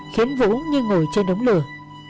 khiến vũ như ngồi trên đống lửa